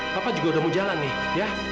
bapak juga udah mau jalan nih ya